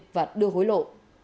và đưa hối lộ